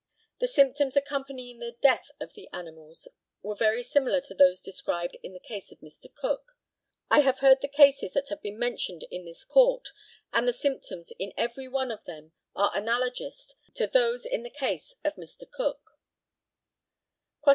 The symptoms accompanying the death of the animals were very similar to those described in the case of Mr. Cook. I have heard the cases that have been mentioned in this Court, and the symptoms in every one of them are analogous to those in the case of Mr. Cook.